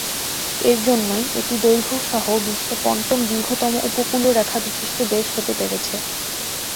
এর জন্যই এটি দৈর্ঘ্য সহ বিশ্বে পঞ্চম দীর্ঘতম উপকূলরেখা বিশিষ্ট দেশ হতে পেরেছে।